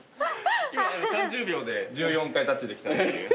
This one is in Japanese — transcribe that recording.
今３０秒で１４回タッチできたっていう。